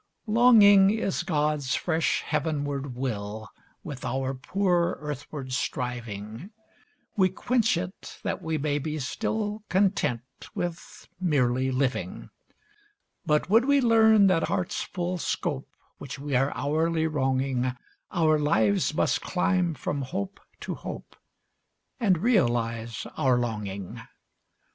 Longing is God's fresh heavenward will With our poor earthward striving; We quench it that we may be still Content with merely living; But, would we learn that heart's full scope Which we are hourly wronging, Our lives must climb from hope to hope And realize our longing.